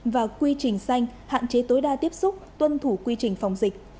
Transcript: và quy trình xanh hạn chế tối đa tiếp xúc tuân thủ quy trình phòng dịch